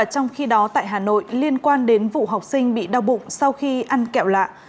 trong khi đó tại hà nội liên quan đến vụ học sinh bị đau bụng sau khi ăn kẹo lạ